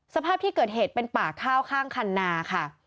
สภาพที่เกิดเหตุเป็นป่าข้าวข้างคันนาค่ะ